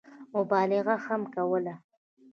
مبالغه هم کوله.